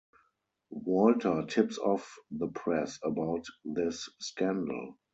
Walter tips off the press about this scandal.